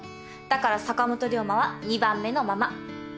だから坂本龍馬は２番目のまま。